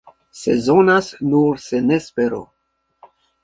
Sezonas nur senespero.